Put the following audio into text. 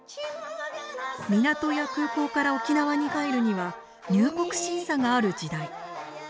港や空港から沖縄に入るには入国審査がある時代。